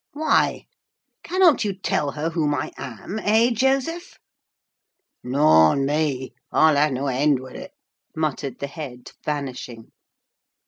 "Why? Cannot you tell her whom I am, eh, Joseph?" "Nor ne me! I'll hae no hend wi't," muttered the head, vanishing.